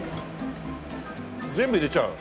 全部入れちゃう？